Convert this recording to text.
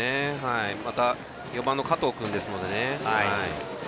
また４番の加藤君ですので。